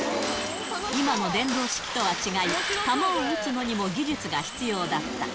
今の電動式とは違い、玉を打つのにも技術が必要だった。